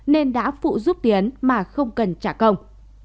nên đã phụ giúp tiến mà không cần trả công